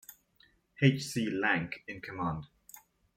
H. C. Lank in command.